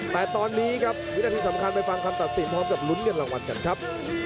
แต่ตอนนี้ครับวินาทีสำคัญไปฟังคำตัดสินพร้อมกับลุ้นเงินรางวัลกันครับ